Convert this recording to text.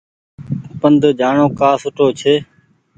پند جآڻو ڪآ سُٺو ڇي۔